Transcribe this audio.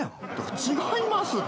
違いますって。